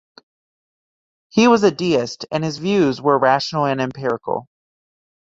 He was a deist and his views were rational and empirical.